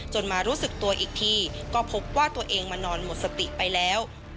มารู้สึกตัวอีกทีก็พบว่าตัวเองมานอนหมดสติไปแล้ว